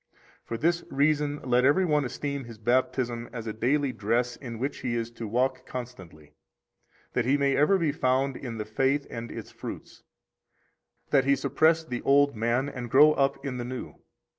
84 For this reason let every one esteem his Baptism as a daily dress in which he is to walk constantly, that he may ever be found in the faith and its fruits, that he suppress the old man and grow up in the new.